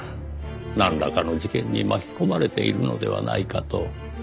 なんらかの事件に巻き込まれているのではないかと。